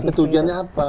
tapi tujuannya apa